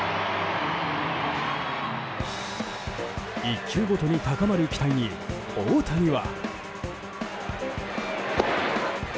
１球ごとに高まる期待に大谷は。